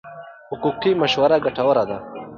حقوقي مشوره ګټوره ده.